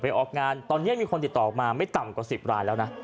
ออกงานตอนนี้มีคนติดต่อมาไม่ต่ำกว่า๑๐รายแล้วนะ